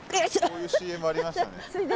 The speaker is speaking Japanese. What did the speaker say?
こういうＣＭありましたね。